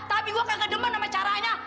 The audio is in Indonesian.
tapi gue kagak demand sama caranya